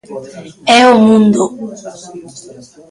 E o Mundo.